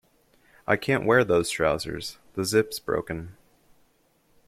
I can't wear those trousers; the zip’s broken